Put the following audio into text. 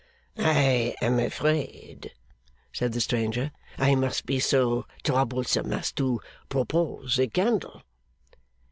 'I am afraid,' said the stranger, 'I must be so troublesome as to propose a candle.